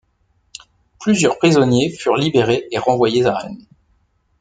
Plusieurs prisonniers furent libérés et renvoyés à Rennes.